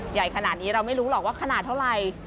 ใหญ่ขนาดนี้เราไม่รู้หรอกว่าขนาดเท่าไร